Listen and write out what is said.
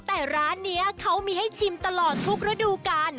แต่ร้านนี้เขามีให้ชิมตลอดทุกฤดูกาล